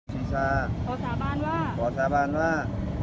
ลูกขอสารบานว่า